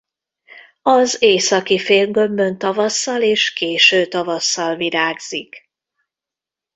Az északi félgömbön tavasszal és késő tavasszal virágzik.